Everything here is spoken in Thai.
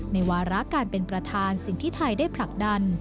วาระการเป็นประธานสิ่งที่ไทยได้ผลักดัน